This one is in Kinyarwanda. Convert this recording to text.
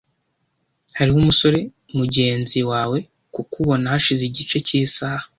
Hariho umusore mugenzi wawe kukubona hashize igice cyisaha.